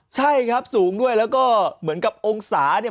ใช่ครับสูงด้วยแล้วก็เหมือนกับองศาเนี่ย